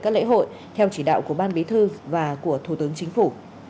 các lễ hội theo chỉ đạo của ban bí thư và của thủ tướng chính phủ